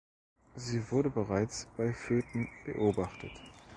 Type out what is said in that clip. Sie wurde bereits bei Föten beobachtet.